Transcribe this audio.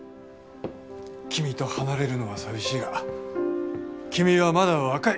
君と離れるのは寂しいが君はまだ若い。